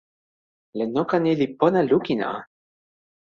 len noka ni li pona lukin a.